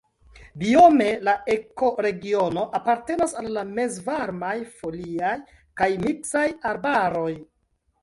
Biome la ekoregiono apartenas al la mezvarmaj foliaj kaj miksaj arbaroj.